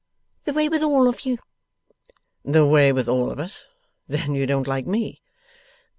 The way with all of you.' 'The way with all of us? Then you don't like ME?